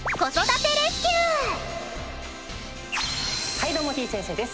はいどうもてぃ先生です！